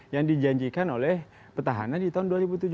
yang dijanjikan oleh petahana di tahun dua ribu tujuh belas